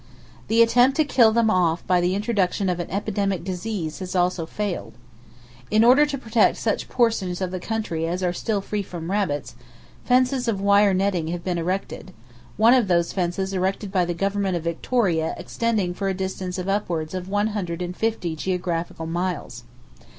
The attempt to kill them off by the introduction of an epidemic disease has also failed. In order to protect such portions of the country as are still free from rabbits, fences of wire netting have been erected; one of these fences erected by the Government of Victoria extending for a distance of upwards of one hundred and fifty geographical miles.